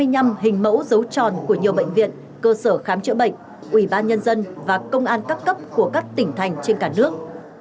hai mươi năm hình mẫu dấu tròn của nhiều bệnh viện cơ sở khám chữa bệnh ủy ban nhân dân và công an các cấp của các tỉnh thành trên cả nước